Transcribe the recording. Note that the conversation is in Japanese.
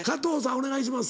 お願いします。